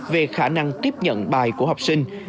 về khả năng tiếp nhận bài của học sinh